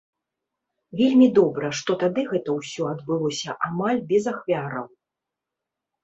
Вельмі добра, што тады гэта ўсё адбылося амаль без ахвяраў.